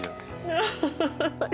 アハハハ。